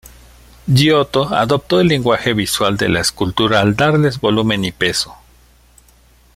Giotto adoptó el lenguaje visual de la escultura al darles volumen y peso.